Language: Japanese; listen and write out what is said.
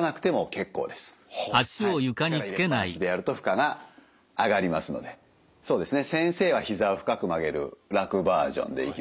はい力入れっ放しでやると負荷が上がりますのでそうですね先生はひざを深く曲げる楽バージョンでいきましょうか。